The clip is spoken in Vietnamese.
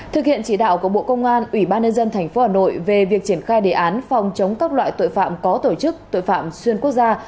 thực hiện chỉ đạo của bộ công an ủy ban nhân dân tp hà nội về việc triển khai đề án phòng chống các loại tội phạm có tổ chức tội phạm xuyên quốc gia